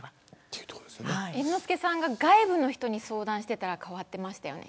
猿之助さんが外部の人に相談してたら変わってましたよね。